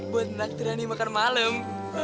buat nak terani makan malam